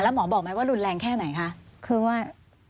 แล้วหมอบอกไหมว่ารุนแรงแค่ไหนคะ